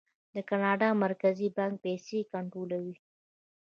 د کاناډا مرکزي بانک پیسې کنټرولوي.